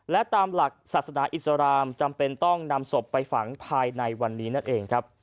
และตามหลักศาสนาอิสรามจำเป็นต้องนำศพไปฝังภายในวันนี้นั่นเองครับ